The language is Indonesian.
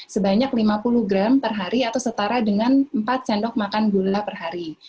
sebanyak lima puluh gram per hari atau setara dengan empat sendok makan gula per hari